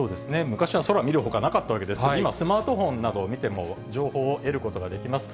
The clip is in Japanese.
昔は空見るほかなかったわけですけれども、今、スマートフォンなどを見ても、情報を得ることができます。